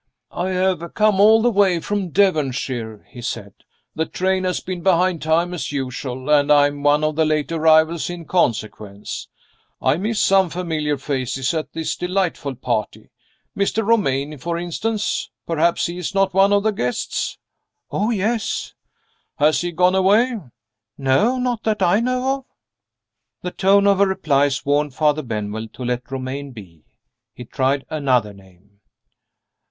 "I have come all the way from Devonshire," he said. "The train has been behind time as usual, and I am one of the late arrivals in consequence. I miss some familiar faces at this delightful party. Mr. Romayne, for instance. Perhaps he is not one of the guests?" "Oh, yes." "Has he gone away?" "Not that I know of." The tone of her replies warned Father Benwell to let Romayne be. He tried another name.